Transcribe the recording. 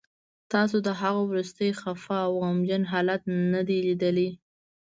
تاسو د هغه وروستی خفه او غمجن حالت نه دی لیدلی